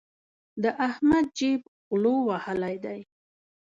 د احمد جېب غلو وهلی دی.